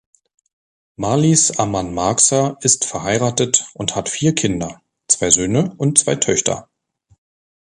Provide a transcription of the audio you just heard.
Marlies Amann-Marxer ist verheiratet und hat vier Kinder, zwei Söhne und zwei Töchter.